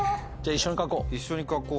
一緒に書こう。